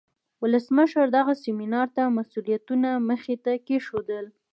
ولسمشر دغه سیمینار ته مسئولیتونه مخې ته کیښودل.